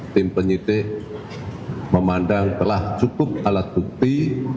tim penyidik memandang telah cukup alat bukti